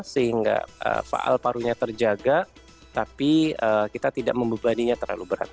sehingga faal parunya terjaga tapi kita tidak membebaninya terlalu berat